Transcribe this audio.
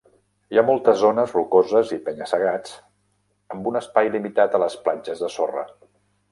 Hi ha moltes zones rocoses i penya-segats, amb un espai limitat a les platges de sorra.